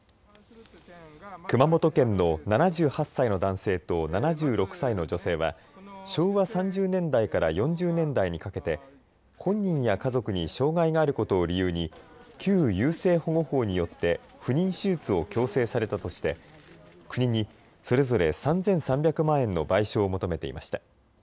熊本県の７８歳の男性と７６歳の女性は昭和３０年代から４０年代にかけて本人や家族に障害があることを理由に旧優生保護法によって不妊手術を強制されたとして国にそれぞれ３３００万円の賠償を求めていました。